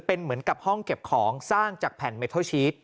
เป็นเหมือนกับห้องเก็บของสร้างจากแผ่นเมทัลชีส